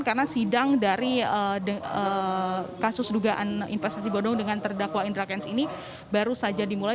karena sidang dari kasus dugaan investasi bodong dengan terdakwa indra kents ini baru saja dimulai